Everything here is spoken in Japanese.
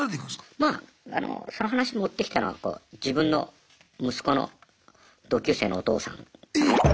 まあその話持ってきたのは自分の息子の同級生のお父さん。